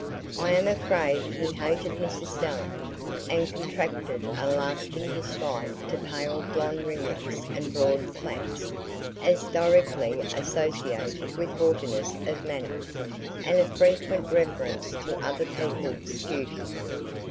I am afraid he hated Mrs Stelling, and contracted a lasting dislike to pale blond ringlets and broad plaits, as directly associated with haughtiness of manner, and a frequent reference to other people's "duty."